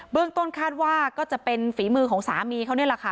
ต้นคาดว่าก็จะเป็นฝีมือของสามีเขานี่แหละค่ะ